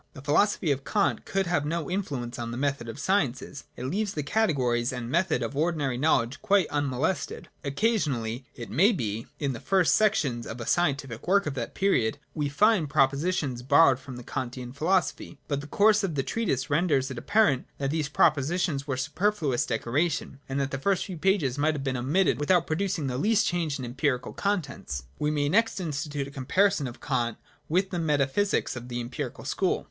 The philosophy of Kant could have no influence on the method of the sciences. It leaves the categories and method of ordinary knowledge quite unmolested. Occasionally, it may be, in the first sections of a scientific work of that period, we find pro positions borrowed from the Kantian philosophy : but the course of the treatise renders it apparent that these propositions were superfluous decoration, and that the few first pages might have been omitted without produc ing the least change in the empirical contents \ We may next institute a comparison of Kant with the metaphysics of the empirical school.